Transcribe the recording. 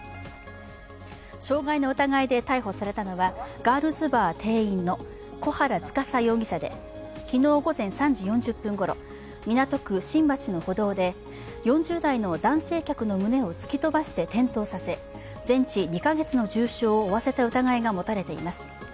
傷害の疑いで逮捕されたのは、ガールズバー店員の小原司容疑者で、昨日午前３時４０分ごろ、港区新橋の歩道で４０代の男性客の胸を突き飛ばして転倒させ、全治２カ月の重傷を負わせた疑いが持たれています。